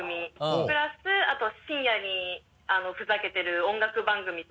プラスあと深夜にふざけてる音楽番組と。